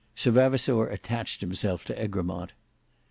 Sir Vavasour attached himself to Egremont.